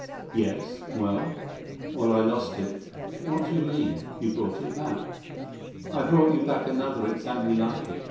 "Yes. Well?" "Well, I lost it." "What do you mean? You brought it back." "I brought you back another exactly like it.